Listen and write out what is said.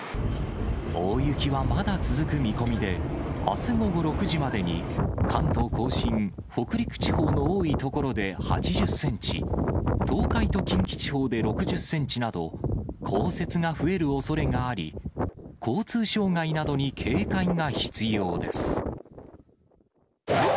大雪はまだ続く見込みで、あす午後６時までに、関東甲信、北陸地方の多い所で８０センチ、東海と近畿地方で６０センチなど、降雪が増えるおそれがあり、交通障害などに警戒が必要です。